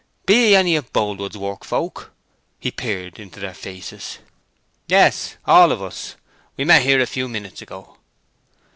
Be ye any of Boldwood's workfolk?" He peered into their faces. "Yes—all o' us. We met here a few minutes ago."